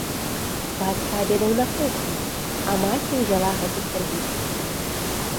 Бацька абедаў на кухні, а маці ўзяла гэты сервіз.